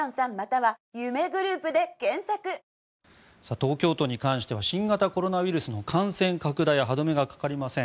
東京都に関しては新型コロナウイルスの感染拡大歯止めがかかりません。